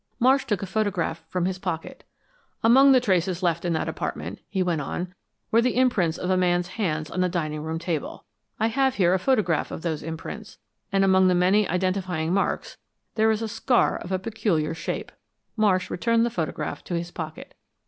Marsh took a photograph from his pocket. "Among the traces left in that apartment," he went on, "were the imprints of a man's hands on the dining room table. I have here a photograph of those imprints, and among the many identifying marks there is a scar of a peculiar shape." Marsh returned the photograph to his pocket.